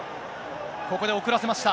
ここでおくらせました。